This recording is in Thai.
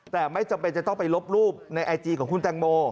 แต่ไม่จำเป็นจะต้องไปลบรูปในไอจีของคุณแตงโม